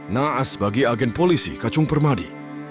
naas bagi agen polisi kacung permadi